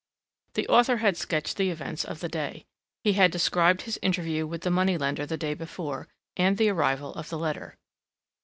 The author had sketched the events of the day. He had described his interview with the money lender the day before and the arrival of the letter.